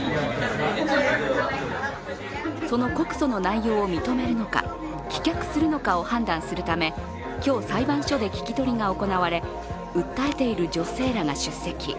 その告訴の内容を認めるのか、棄却するのかを判断するため今日、裁判所で聞き取りが行われ訴えている女性らが出席。